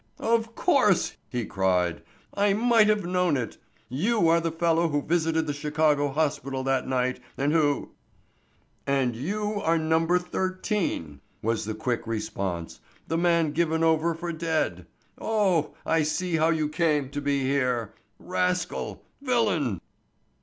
"Of course!" he cried, "I might have known it! You are the fellow who visited the Chicago hospital that night and who——" "And you are No. Thirteen!" was the quick response; "the man given over for dead! Oh, I see how you came to be here. Rascal! Villain!"